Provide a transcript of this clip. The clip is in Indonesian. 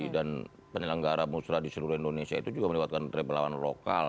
dan penyelenggara musrah di seluruh indonesia itu juga melewatkan relawan lokal